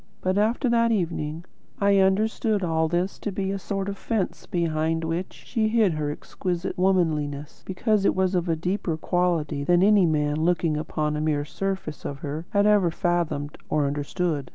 But after that evening, I understood all this to be a sort of fence behind which she hid her exquisite womanliness, because it was of a deeper quality than any man looking upon the mere surface of her had ever fathomed or understood.